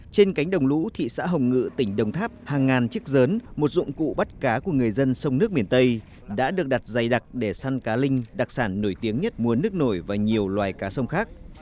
trên cánh đồng lũ thị xã hồng ngự tỉnh đồng tháp hàng ngàn chiếc dớn một dụng cụ bắt cá của người dân sông nước miền tây đã được đặt dày đặc để săn cá linh đặc sản nổi tiếng nhất mua nước nổi và nhiều loài cá sông khác